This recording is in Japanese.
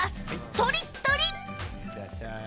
とりっとり！